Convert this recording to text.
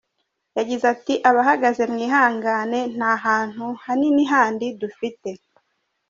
Yagize ati: "Abahagaze mwihangane nta hantu hanini handi dufite.